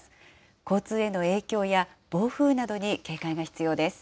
交通への影響や暴風などに警戒が必要です。